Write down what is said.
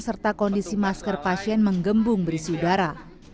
serta kondisi masker pasien menggembung berisi udara